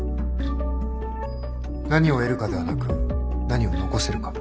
何を得るかではなく何を残せるか。